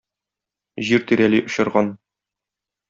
Җир тирәли очырган.